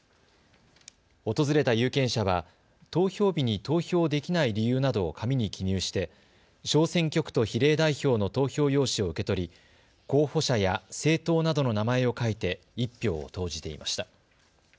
訪れた有権者は投票日に投票できない理由などを紙に記入して小選挙区と比例代表の投票用紙を受け取り候補者や政党などの名前を書いて１票を投じていました。